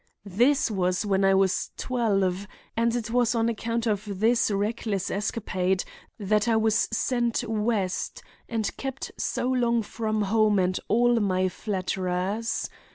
"This was when I was twelve, and it was on account of this reckless escapade that I was sent west and kept so long from home and all my flatterers.